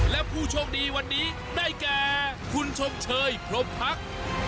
และผู้โชคดีวันนี้ได้แก่คุณชมเชยพรมพัก